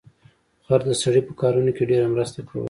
خر د سړي په کارونو کې ډیره مرسته کوله.